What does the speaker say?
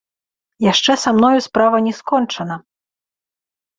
Яшчэ са мною справа не скончана.